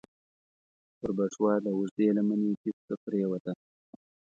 پر بټوه د اوږدې لمنې پيڅکه پرېوته.